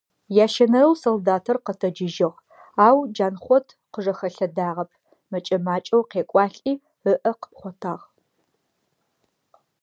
Ящэнэрэу солдатыр къэтэджыжьыгъ, ау Джанхъот къыжэхэлъэдагъэп, мэкӀэ-макӀэу къекӀуалӀи, ыӀэ къыпхъотагъ.